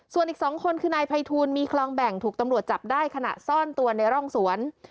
ส่วนอีก๒คนคือนายภัยทูลมีคลองแบ่งถูกตำรวจจับได้ขณะซ่อนตัวในร่องสวน